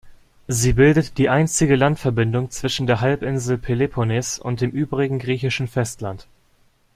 Sie bildet die einzige Landverbindung zwischen der Halbinsel Peloponnes und dem übrigen griechischen Festland.